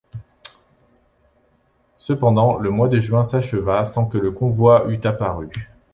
Cependant, le mois de juin s’acheva sans que le convoi eût apparu.